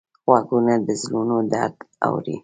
غوږونه د زړونو درد اوري